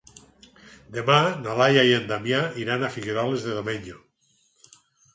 Demà na Laia i en Damià iran a Figueroles de Domenyo.